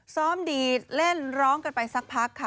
ซ้อมดีเล่นร้องกันไปสักพักค่ะ